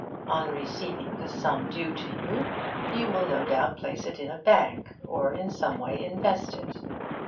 On receiving the sum due to you, you will no doubt place it in a bank, or in some way invest it.